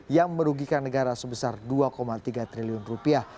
yang merugikan negara sebesar dua tiga triliun rupiah